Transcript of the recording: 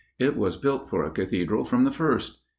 It was built for a Cathedral from the first.